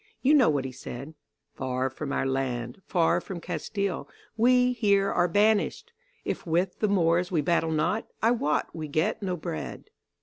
You know what he said: "'Far from our land, far from Castile We here are banished; If with the Moors we battle not, I wot we get no bread.